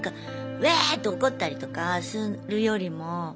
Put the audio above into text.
わって怒ったりとかするよりも。